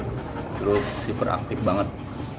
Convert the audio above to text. terus super aktif banget